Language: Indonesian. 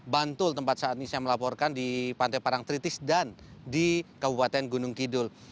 bantul tempat saat ini saya melaporkan di pantai parang tritis dan di kabupaten gunung kidul